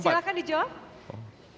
ya silahkan dijawab